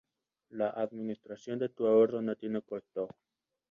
La administración de tu ahorro no tiene costo.